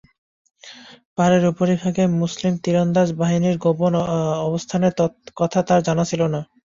পাহাড়ের উপরিভাগে মুসলিম তীরন্দাজ বাহিনীর গোপন অবস্থানের কথা তার জানা ছিল না।